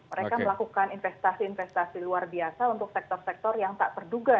mereka melakukan investasi investasi luar biasa untuk sektor sektor yang tak terduga